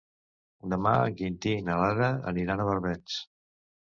Demà en Quintí i na Lara aniran a Barbens.